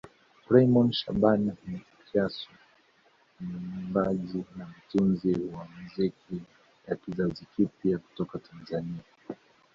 Raymond Shaban Mwakyusa ni mwimbaji na mtunzi wa muziki wa kizazi kipya kutoka Tanzania